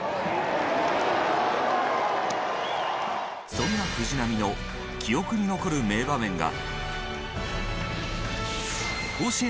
そんな藤浪の記憶に残る名場面が。